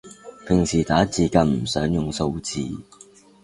平時打字更唔想用數字